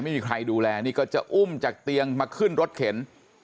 ไม่มีใครดูแลนี่ก็จะอุ้มจากเตียงมาขึ้นรถเข็น